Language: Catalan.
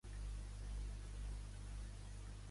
Gràcies a Metge Sense Fronteres, amb qui es va topar?